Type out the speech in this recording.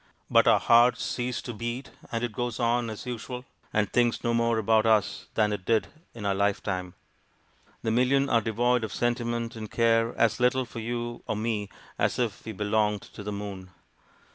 But our hearts cease to beat, and it goes on as usual, and thinks no more about us than it did in our lifetime. The million are devoid of sentiment, and care as little for you or me as if we belonged to the moon.